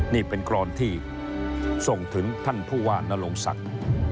นี่เป็นกรอนที่ส่งถึงท่านผู้ว่านโรงศักดิ์